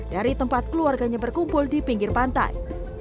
dari tempat keluarganya berkumpul di pinggir pantai